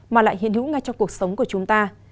mà lại hiện hữu ngay trong cuộc sống của chúng ta